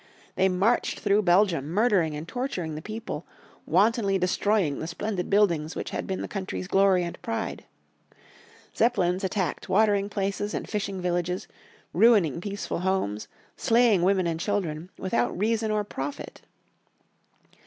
They marched through Belgium murdering and torturing the people, wantonly destroying the splendid buildings which had been the country's glory and pride. Zeppelins attacked watering places and fishing villages, ruining peaceful homes, slaying women and children, without reason or profit.